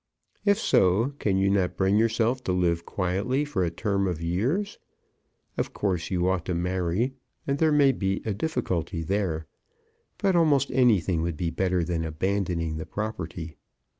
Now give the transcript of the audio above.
If so, can you not bring yourself to live quietly for a term of years. Of course you ought to marry, and there may be a difficulty there; but almost anything would be better than abandoning the property.